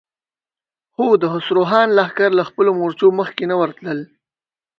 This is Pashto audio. خو د خسرو خان لښکر له خپلو مورچو مخکې نه ورتلل.